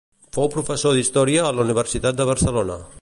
Fou professor d'història a la Universitat de Barcelona.